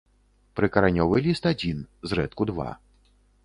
Прыкаранёвы ліст адзін, зрэдку два.